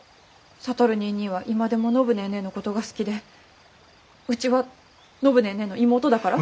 智ニーニーは今でも暢ネーネーのことが好きでうちは暢ネーネーの妹だから。